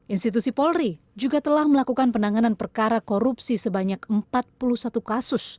institusi polri juga telah melakukan penanganan perkara korupsi sebanyak empat puluh satu kasus